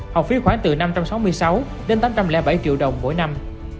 học phí khoảng từ năm trăm sáu mươi sáu đến tám trăm linh bảy triệu đồng mỗi năm